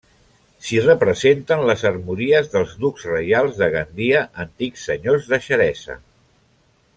S'hi representen les armories dels ducs reials de Gandia, antics senyors de Xeresa.